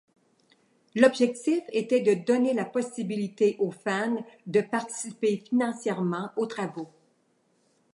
L'objectif était de donner la possibilité aux fans de participer financièrement aux travaux.